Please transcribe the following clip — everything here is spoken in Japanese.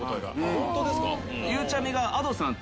ホントですか？